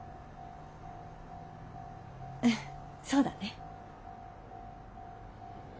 うんそうだね。